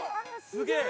すげえ！